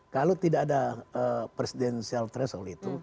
kalau tidak ada presidensial threshold itu